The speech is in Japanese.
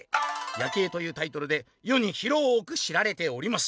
『夜警』というタイトルでよに広く知られております」。